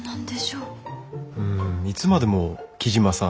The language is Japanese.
うんいつまでも「雉真さん」